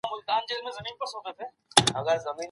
لنډ وخت پلی تګ د خلکو لپاره ګټور دی.